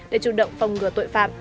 để chủ động phòng ngừa tội phạm